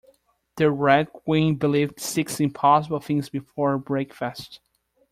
The Red Queen believed six impossible things before breakfast